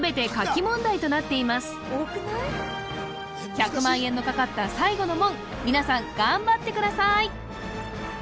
１００万円のかかった最後の門皆さん頑張ってください